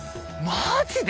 マジで！